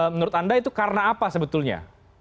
menurut anda itu karena apa sebetulnya